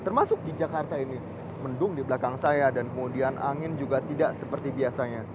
termasuk di jakarta ini mendung di belakang saya dan kemudian angin juga tidak seperti biasanya